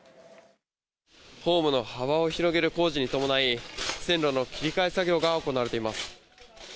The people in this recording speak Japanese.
ホームの幅を広げる工事に伴い、線路の切り替え作業が行われています。